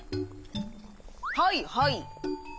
はいはい。